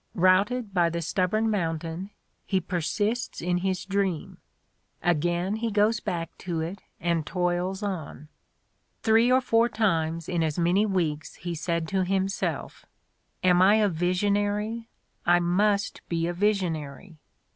Routed by the stubborn mountain, he persists in his dream: again he goes back to it and toils on. "Three or four times in as many weeks he said to himself: 'Am I a visionary? I must be a visionary!'